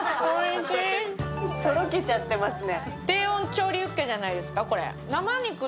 とろけちゃってますね。